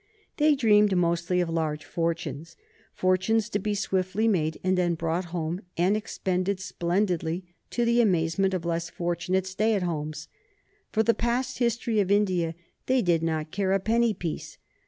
They dreamed mostly of large fortunes, fortunes to be swiftly made and then brought home and expended splendidly to the amazement of less fortunate stay at homes. For the past history of India they did not care a penny piece.